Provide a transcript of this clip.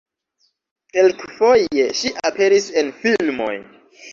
Kelkfoje ŝi aperis en filmoj.